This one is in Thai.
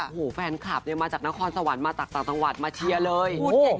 โอ้โหแฟนคลับเนี่ยมาจากนครสวรรค์มาจากต่างจังหวัดมาเชียร์เลย